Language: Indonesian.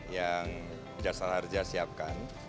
yang jasar harja siapkan